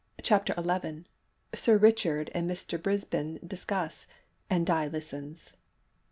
CHAPTER ELEVEN. SIR RICHARD AND MR. BRISBANE DISCUSS, AND DI LISTENS.